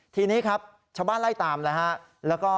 ทีนี้ครับชาวบ้านไล่ตามแล้วฮะ